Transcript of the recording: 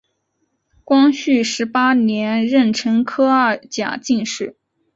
光绪十八年壬辰科二甲进士。